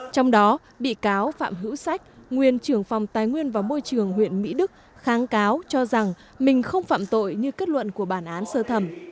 trong đó bị cáo phạm hữu sách nguyên trưởng phòng tài nguyên và môi trường huyện mỹ đức kháng cáo cho rằng mình không phạm tội như kết luận của bản án sơ thẩm